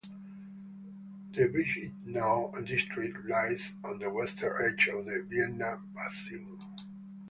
The Brigittenau district lies on the western edge of the Vienna Basin.